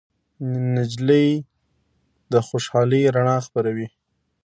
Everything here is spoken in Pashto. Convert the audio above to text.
نجلۍ د خوشالۍ رڼا خپروي.